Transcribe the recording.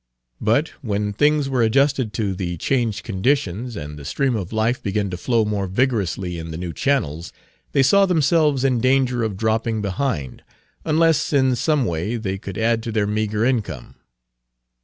But when things were adjusted to the changed conditions, and the stream of life began to flow more vigorously in the new channels, they saw themselves in danger of dropping behind, unless in some way they could add to their meagre income.